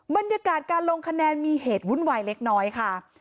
บรรยากาศการลงคะแนนมีเหตุวุ่นวายเล็กน้อยค่ะ